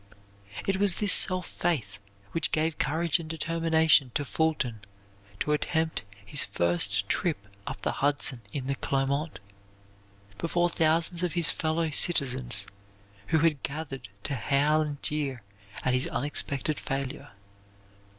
It was this self faith which gave courage and determination to Fulton to attempt his first trip up the Hudson in the Clermont, before thousands of his fellow citizens, who had gathered to howl and jeer at his expected failure.